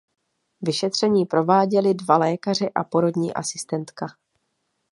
Vyšetření prováděli dva lékaři a porodní asistentka.